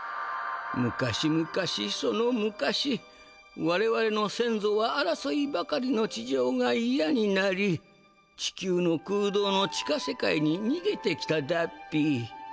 昔々その昔われわれのせんぞはあらそいばかりの地上がいやになり地球のくうどうの地下世界ににげてきたダッピ。